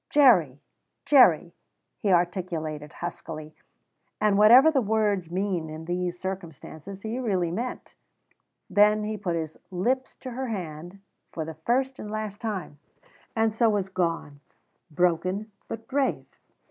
"Jerry, Jerry!" he articulated huskily, and whatever the words mean in these circumstances he really meant; then he put his lips to her hand for the first and last time, and so was gone, broken but brave.